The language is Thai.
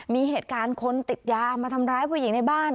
มีเหตุการณ์คนติดยามาทำร้ายผู้หญิงในบ้าน